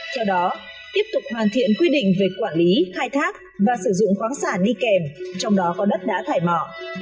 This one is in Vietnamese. theo đó tiếp tục hoàn thiện quy định về quản lý khai thác và sử dụng khoáng sản đi kèm trong đó có đất đá thải mỏ